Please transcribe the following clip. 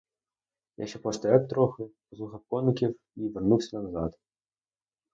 Я ще постояв трохи, послухав коників і вернувся назад.